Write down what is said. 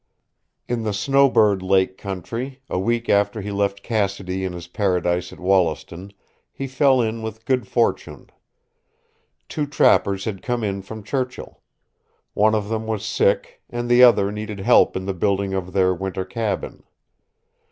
In the Snowbird Lake country, a week after he left Cassidy in his paradise at Wollaston, he fell in with good fortune. Two trappers had come in from Churchill. One of them was sick, and the other needed help in the building of their winter cabin.